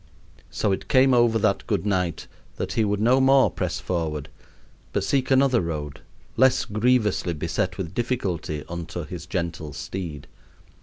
So it came over that good knight that he would no more press forward, but seek another road, less grievously beset with difficulty unto his gentle steed.